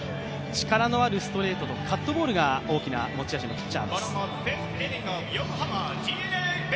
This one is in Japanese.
力のあるストレートのカットボールが大きな持ち味のピッチャーです。